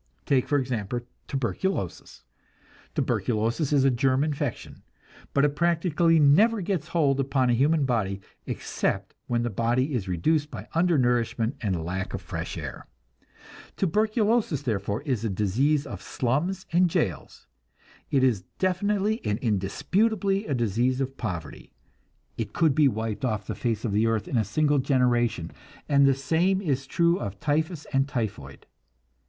Take, for example, tuberculosis. Tuberculosis is a germ infection, but it practically never gets hold upon a human body except when the body is reduced by undernourishment and lack of fresh air. Tuberculosis, therefore, is a disease of slums and jails. It is definitely and indisputably a disease of poverty. It could be wiped off the face of the earth in a single generation; and the same is true of typhus and typhoid.